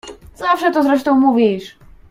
"Zawsze to zresztą mówisz!"